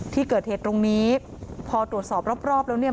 ที่เกิดเหตุตรงนี้พอตรวจสอบรอบแล้วเนี่ย